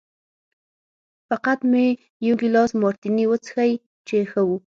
فقط مې یو ګیلاس مارتیني وڅښی چې ښه و.